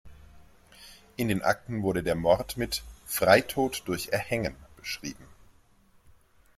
In den Akten wurde der Mord mit "„Freitod durch Erhängen“" beschrieben.